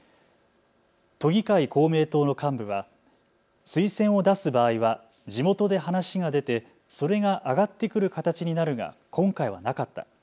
都議会公明党の幹部は推薦を出す場合は地元で話が出てそれが上がってくる形になるが今回はなかった。